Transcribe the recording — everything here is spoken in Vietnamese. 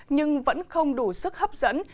nhưng vẫn không đủ sức hấp dẫn